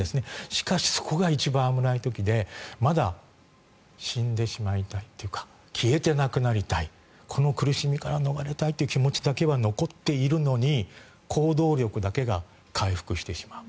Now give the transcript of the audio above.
しかし、そこが一番危ない時でまだ、死んでしまいたいというか消えてなくなりたいこの苦しみから逃れたいという気持ちだけは残っているのに行動力だけが回復してしまう。